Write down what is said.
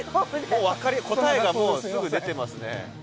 もう答えがもうすぐ出てますね。